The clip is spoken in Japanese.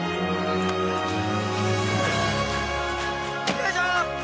よいしょー。